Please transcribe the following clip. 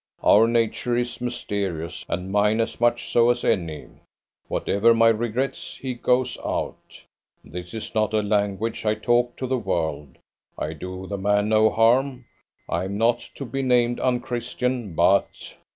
Our nature is mysterious, and mine as much so as any. Whatever my regrets, he goes out. This is not a language I talk to the world. I do the man no harm; I am not to be named unchristian. But